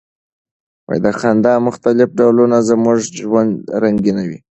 د خندا مختلف ډولونه زموږ ژوند رنګینوي.